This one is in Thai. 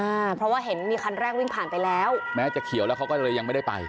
อ่าเพราะว่าเห็นมีคันแรกวิ่งผ่านไปแล้วแม้จะเขียวแล้วเขาก็เลยยังไม่ได้ไป